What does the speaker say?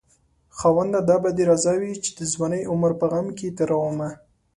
خاونده دا به دې رضا وي چې د ځوانۍ عمر په غم کې تېرومه